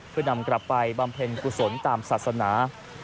เพื่อนำกลับไปบำเพ็ญกุศลตามศาสนา